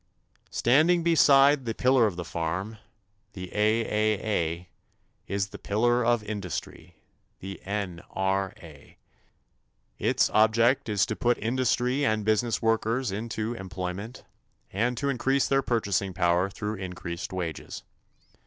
Standing beside the pillar of the farm the A.A.A. is the pillar of industry the N.R.A. Its object is to put industry and business workers into employment and to increase their purchasing power through increased wages.